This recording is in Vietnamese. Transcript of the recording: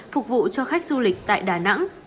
các bộ cho khách du lịch tại đà nẵng